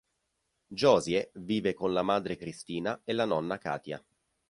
Josie vive con la madre Christina e la nonna Katia.